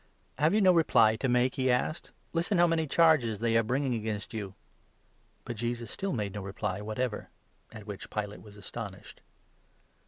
4 "Have you no reply to make?" he asked. "Listen, how many charges they are bringing against you." But Jesus still made no reply whatever ; at which Pilate was 5 astonished.